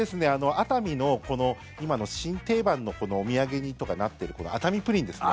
熱海の、今の新定番のお土産にとかなってる熱海プリンですね。